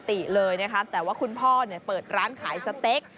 ปกติเลยนะคะแต่ว่าคุณพ่อเนี่ยเปิดร้านขายสเต็ก